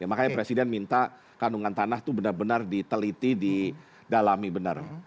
makanya presiden minta kandungan tanah itu benar benar diteliti didalami benar